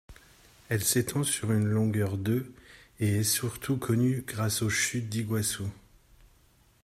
Elle s'étend sur une longueur de et est surtout connue grâce aux chutes d'Iguaçu.